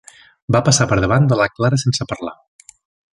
Va passar per davant de la Clara sense parlar.